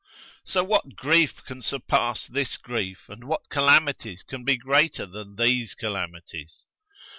So what grief can surpass this grief and what calamities can be greater than these calamities?'